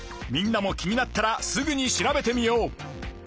みんなも気になったらすぐに調べてみよう。